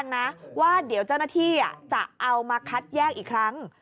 นาฬิเทียจะเอามาคัดแห้กอีกครั้ง